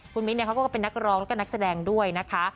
คุณมิ้นเขาก็เป็นนักร้องแล้วก็นักแสดงด้วยนะคะ